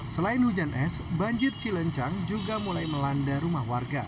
selain hujan es banjir cilencang juga mulai melanda rumah warga